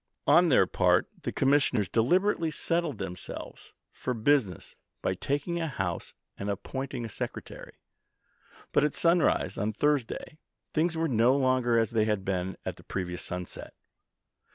On their part, the commissioners deliberately settled 64 ABKAHAM LINCOLN 1 Mr. Buch man's Ad tioii,"p. themselves for business by taking a house and appointing a secretary. But at sunrise on Thurs day things were no longer as they had been at the previous sunset.